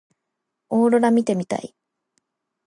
オーロラ見てみたい。